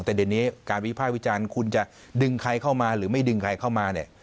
แต่เดี๋ยวนี้การวิภาควิจารณ์คุณจะดึงใครเข้ามาหรือไม่ดึงใครเข้ามาเนี่ย